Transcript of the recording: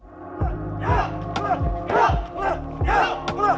jalan jalan jalan